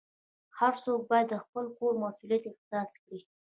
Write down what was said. هر څوک باید د خپل کور مسؤلیت احساس کړي.